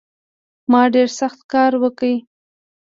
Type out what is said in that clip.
ما ډېر سخت کار وکړ